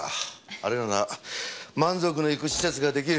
あれなら満足のいく施設が出来る。